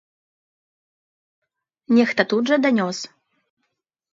Нехта тут жа данёс.